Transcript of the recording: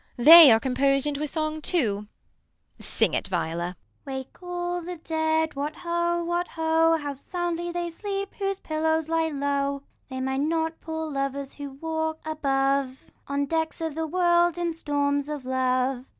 They are Compos'd into a song too. Sing it, Viola ! Viola sings the song. Viol. Wake all the dead ! what hoa ! what hoa ! How soundly they sleep whose pilloAvs lye low; They mind not poor lovers who walk above On the decks of the world in storms of love.